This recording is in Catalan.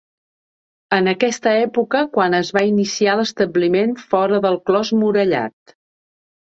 És en aquesta època quan es va iniciar l'establiment fora del clos murallat.